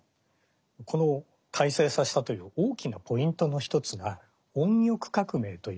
この大成させたという大きなポイントの一つが音曲革命といわれてまして。